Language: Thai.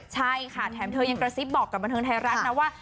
ใช่ค่ะแถมเธอยังกระซิบบอกกับบันเทิงไทยรัฐนะว่า